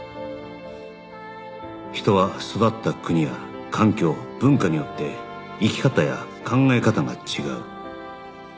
人は育った国や環境文化によって生き方や考え方が違う